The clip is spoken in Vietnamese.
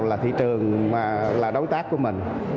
là thị trường mà là đối tác của mình